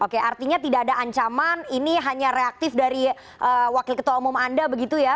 oke artinya tidak ada ancaman ini hanya reaktif dari wakil ketua umum anda begitu ya